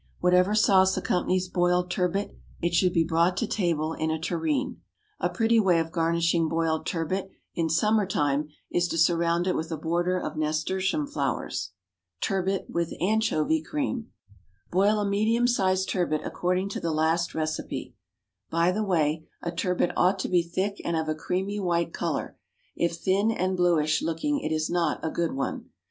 Whatever sauce accompanies boiled turbot, it should be brought to table in a tureen. A pretty way of garnishing boiled turbot in summer time is to surround it with a border of nasturtium flowers. =Turbot, with Anchovy Cream.= Boil a medium sized turbot according to the last recipe by the way, a turbot ought to be thick and of a creamy white colour; if thin and bluish looking it is not a good one.